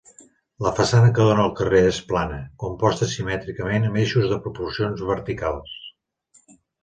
La façana que dóna al carrer és plana, composta simètricament amb eixos de proporcions verticals.